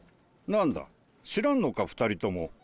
なんだ知らんのか２人とも。